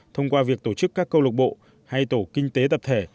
thông qua việc tổ chức các câu lục bộ hay tổ kinh tế tập thể